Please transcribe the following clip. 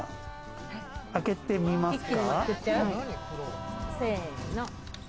開けてみますか？